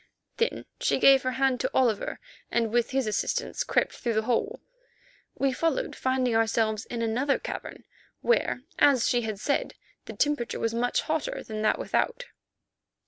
Then she gave her hand to Oliver, and with his assistance crept through the hole. We followed, to find ourselves in another cavern, where, as she had said, the temperature was much hotter than that without.